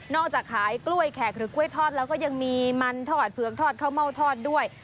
จากขายกล้วยแขกหรือกล้วยทอดแล้วก็ยังมีมันทอดเผือกทอดข้าวเม่าทอดด้วย